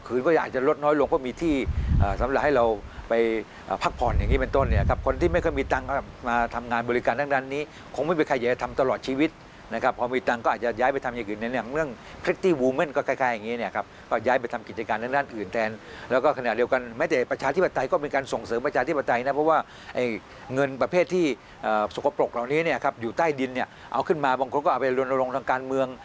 เอาขึ้นมาบางคนก็เอาไปลงทางการเมือง